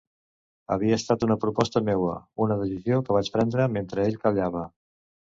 Havia estat una proposta meua, una decisió que vaig prendre, mentre ell callava.